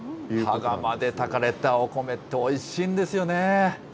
羽釜で炊かれたお米っておいしいんですよね。